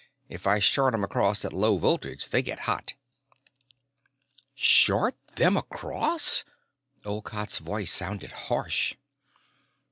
"If I short 'em across at low voltage, they get hot." "Short them across?" Olcott's voice sounded harsh.